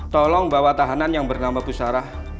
tolong bawa tahanan yang bernama bu sarah